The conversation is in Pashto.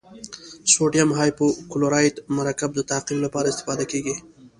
سوډیم هایپوکلورایت مرکب د تعقیم لپاره استفاده کیږي.